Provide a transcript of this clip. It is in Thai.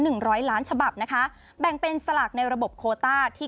ร้อยล้านฉบับนะคะแบ่งเป็นสลากในระบบโคต้าที่